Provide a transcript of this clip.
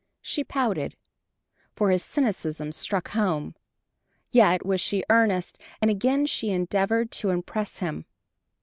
She pouted, for his cynicism struck home. Yet was she earnest, and again she endeavored to impress him.